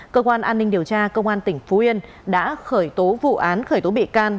cơ quan an ninh điều tra công an tỉnh phú yên đã khởi tố vụ án khởi tố bị can